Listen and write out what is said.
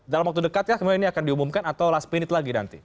dalam waktu dekat ya kemudian ini akan diumumkan atau last minute lagi nanti